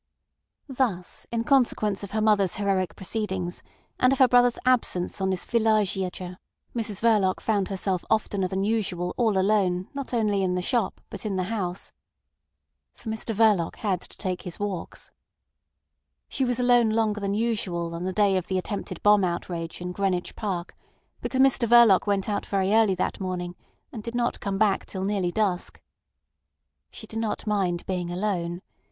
Thus in consequence of her mother's heroic proceedings, and of her brother's absence on this villegiature, Mrs Verloc found herself oftener than usual all alone not only in the shop, but in the house. For Mr Verloc had to take his walks. She was alone longer than usual on the day of the attempted bomb outrage in Greenwich Park, because Mr Verloc went out very early that morning and did not come back till nearly dusk. She did not mind being alone.